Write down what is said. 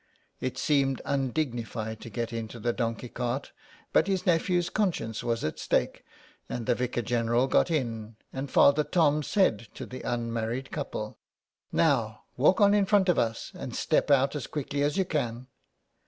It seemed undignified to get into the donkey cart, but his nephew's conscience was at stake, and the Vicar General got in, and Father Tom said to the unmarried couple —" Now walk on in front of us, and step out as quickly as you can."